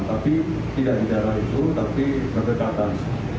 tapi tidak di daerah itu tapi berdekatan